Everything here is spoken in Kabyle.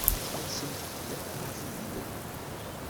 Tersemt-d ɣef yilel.